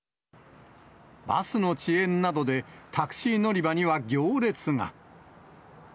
バスの遅延などで、タクシー乗り場には行列が。